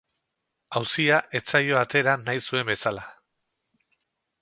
Auzia ez zaio atera nahi zuen bezala.